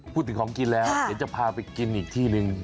พูดถึงของกินแล้วเดี๋ยวจะพาไปกินอีกที่หนึ่ง